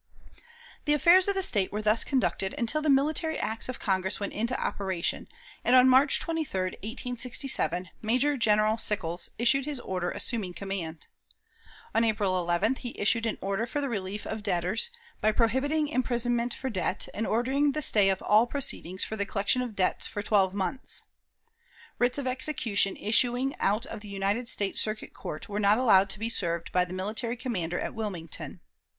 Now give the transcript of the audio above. The affairs of the State were thus conducted until the military acts of Congress went into operation, and on March 23, 1867, Major General Sickles issued his order assuming command. On April 11th he issued an order for the relief of debtors, by prohibiting imprisonment for debt, and ordering the stay of all proceedings for the collection of debts for twelve months. Writs of execution issuing out of the United States Circuit Court were not allowed to be served by the military commander at Wilmington.